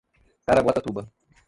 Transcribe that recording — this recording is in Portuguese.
Caraguatatuba